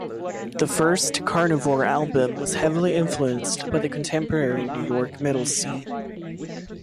The first Carnivore album was heavily influenced by the contemporary New York metal scene.